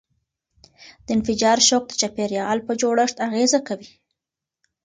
د انفجار شوک د چاپیریال په جوړښت اغېزه کوي.